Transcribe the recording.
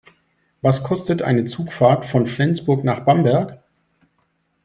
Was kostet eine Zugfahrt von Flensburg nach Bamberg?